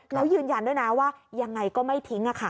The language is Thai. แล้วยืนยันด้วยนะว่ายังไงก็ไม่ทิ้ง